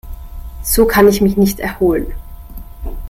So kann ich mich nicht erholen.